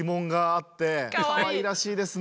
かわいらしいですね。